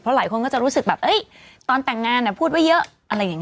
เพราะหลายคนก็จะรู้สึกแบบเอ้ยตอนแต่งงานน่ะพูดไว้เยอะอะไรอย่าง